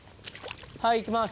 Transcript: はい行きます。